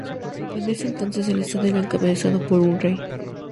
En ese entonces el estado era encabezado por un rey.